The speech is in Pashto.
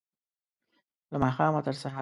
له ماښامه، تر سهاره